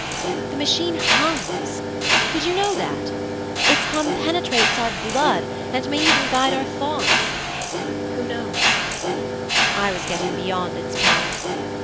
The Machine hums! Did you know that? Its hum penetrates our blood, and may even guide our thoughts. Who knows! I was getting beyond its power.